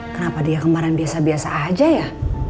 kenapa dia kemarin biasa biasa aja ya